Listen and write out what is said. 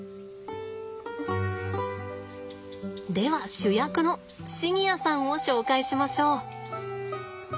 では主役のシニアさんを紹介しましょう。